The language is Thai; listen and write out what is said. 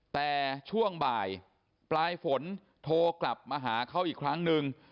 แต่ช่วงบ่ายปลายฝนโทรกลับมาหาเขาอีกครั้งหนึ่ง